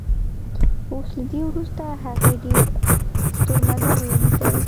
او له دې وروسته هغې ډېر ستورمزلي ولیدل